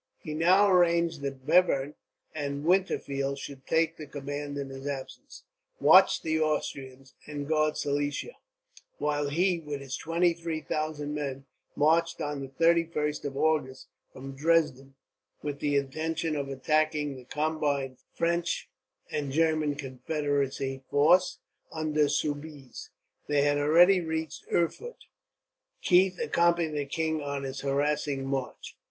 He now arranged that Bevern and Winterfeld should take the command in his absence, watch the Austrians, and guard Silesia; while he, with 23,000 men, marched on the 31st of August from Dresden, with the intention of attacking the combined French and German Confederacy force, under Soubise, that had already reached Erfurt. Keith accompanied the king on his harassing march.